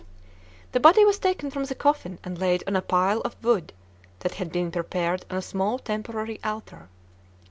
The body was taken from the coffin and laid on a pile of wood that had been prepared on a small temporary altar.